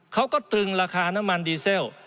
เขาก็ตึงราคาน้ำมันดีเซล